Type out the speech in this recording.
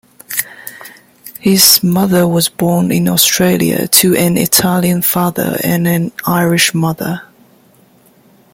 His mother was born in Australia, to an Italian father and an Irish mother.